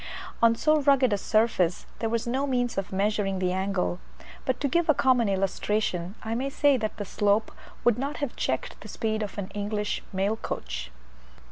On so rugged a surface there was no means of measuring the angle, but to give a common illustration, I may say that the slope would not have checked the speed of an English mail coach.